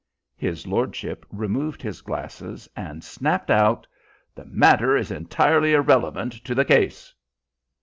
His lordship removed his glasses and snapped out: "The matter is entirely irrelevant to the case."